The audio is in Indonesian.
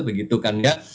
begitu kan ya